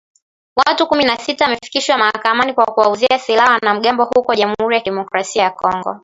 Watu kumi na sita wamefikishwa mahakamani kwa kuwauzia silaha wanamgambo huko Jamuhuri ya kidemokrasia ya Kongo